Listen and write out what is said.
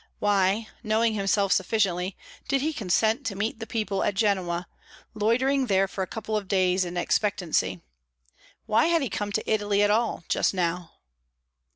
Why, knowing himself sufficiently, did he consent to meet the people at Genoa, loitering there for a couple of days in expectancy? Why had he come to Italy at all just now?